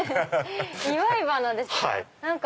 祝い花ですか